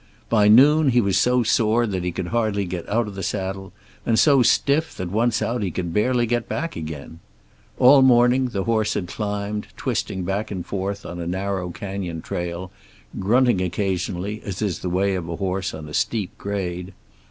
By noon he was so sore that he could hardly get out of the saddle, and so stiff that once out, he could barely get back again. All morning the horse had climbed, twisting back and forth on a narrow canyon trail, grunting occasionally, as is the way of a horse on a steep grade.